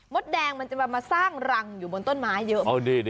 แดงมันจะมาสร้างรังอยู่บนต้นไม้เยอะ